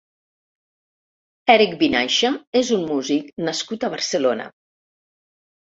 Èric Vinaixa és un músic nascut a Barcelona.